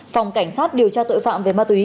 phòng cảnh sát điều tra tội phạm về ma túy